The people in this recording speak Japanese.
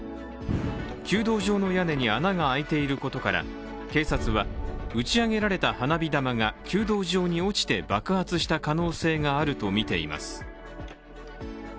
弓道場の屋根に穴が開いていることから警察は打ち上げられた花火玉が弓道場に落ちて爆発した可能性があるとみています。